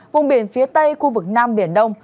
vùng biển phía tây khu vực nam biển đông